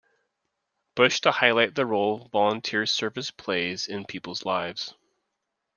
Bush to highlight the role volunteer service plays in people's lives.